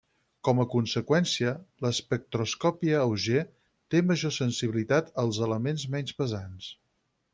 Com a conseqüència, l'espectroscòpia Auger té major sensibilitat als elements menys pesants.